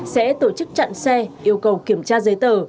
sẽ tổ chức chặn xe yêu cầu kiểm tra giấy tờ